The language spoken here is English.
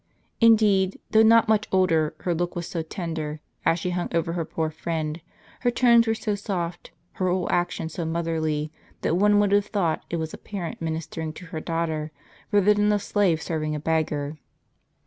Indeed, though not much older, her look was so tender, as she hung over her poor friend, her tones were so soft, her whole action so motherly, that one would have thought it was a parent ministering to her daughter, rather than a slave serving a beggar.